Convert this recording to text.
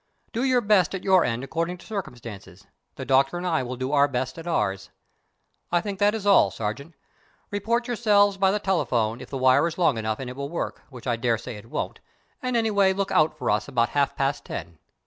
Do your best at your end according to circumstances; the Doctor and I will do our best at ours. I think that is all, Sergeant. Report yourselves by the telephone if the wire is long enough and it will work, which I daresay it won't, and, anyway, look out for us about half past ten.